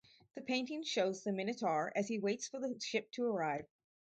The painting shows the Minotaur as he waits for the ship to arrive.